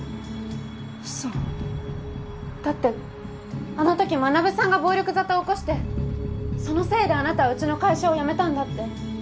ウソだってあのときマナブさんが暴力沙汰を起こしてそのせいであなたはうちの会社を辞めたんだって。